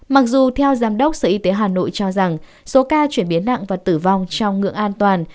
mặc dù theo giám đốc sở y tế hà nội cho rằng số ca chuyển biến nặng và tử vong trong ngưỡng an toàn